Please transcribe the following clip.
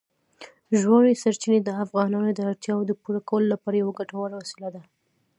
ژورې سرچینې د افغانانو د اړتیاوو د پوره کولو لپاره یوه ګټوره وسیله ده.